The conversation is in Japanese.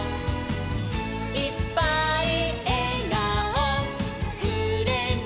「いっぱいえがおくれました」